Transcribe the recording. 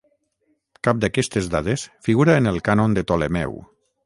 Cap d'aquestes dades figura en el Cànon de Ptolemeu.